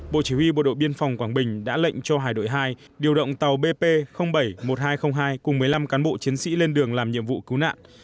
bộ chỉ huy bộ đội biên phòng quảng bình đã lệnh cho hải đội hai điều động tàu bp bảy một nghìn hai trăm linh hai cùng một mươi năm cán bộ chiến sĩ lên đường làm nhiệm vụ cứu nạn